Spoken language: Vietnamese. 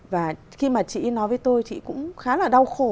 và khi mà chị nói với tôi chị cũng khá là đau khổ